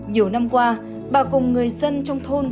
nhiều năm qua bà cùng người dân trong thôn